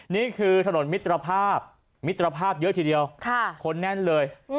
นี่คือถนนมิตรภาพมิตรภาพเยอะทีเดียวคนแน่นเลย